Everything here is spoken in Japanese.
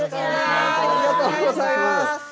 ありがとうございます。